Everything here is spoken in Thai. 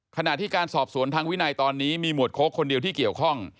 ขณะที่การสอบสวนทางวินัยตอนนี้มีหมวดโค้กคนเดียวที่เกี่ยวข้อง